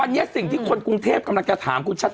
อันนี้สิ่งที่คนกรุงเทพกำลังจะถามคุณชัด